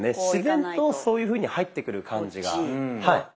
自然とそういうふうに入ってくる感じが。